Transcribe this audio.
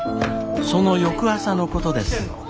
その翌朝のことです。